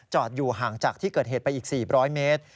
อยู่ห่างจากที่เกิดเหตุไปอีก๔๐๐เมตร